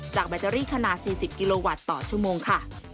แบตเตอรี่ขนาด๔๐กิโลวัตต์ต่อชั่วโมงค่ะ